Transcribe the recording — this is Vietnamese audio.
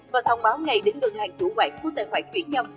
và thông báo ngay đến ngân hàng chủ quản của tài khoản chuyển nhầm